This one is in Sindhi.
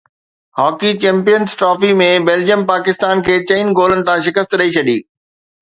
hockey champions trophy ۾ Belgium Pakistan کي چئن گولن تان شڪست ڏئي ڇڏي